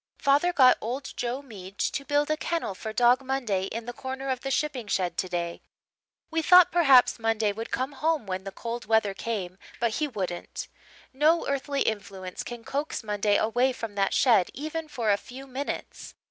"Father got old Joe Mead to build a kennel for Dog Monday in the corner of the shipping shed today. We thought perhaps Monday would come home when the cold weather came but he wouldn't. No earthly influence can coax Monday away from that shed even for a few minutes.